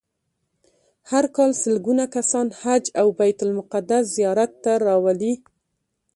هر کال سلګونه کسان حج او بیت المقدس زیارت ته راولي.